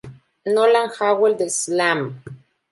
Nolan Howell de "Slam!